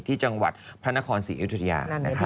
ที่จังหวัดพระนครศรีอยุธยา